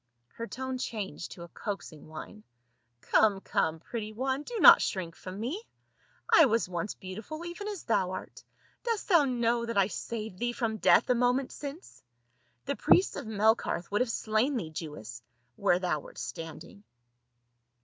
Her tone changed to a coaxing whine, " Come, come, pretty one, do not shrink from me, I was once beautiful even as thou art. Dost thou know that I saved thee from death a moment since ? The priests of Melkarth would have slain thee, Jewess, where thou wert stand ing."